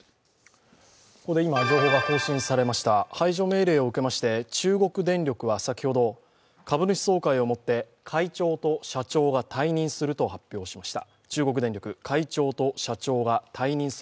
ここで今、情報が更新されました排除命令を受けまして中国電力は先ほど、株主総会をもって、会長と社長が退任すると発表しました。